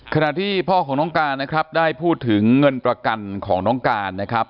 ขณะที่พ่อของน้องการนะครับได้พูดถึงเงินประกันของน้องการนะครับ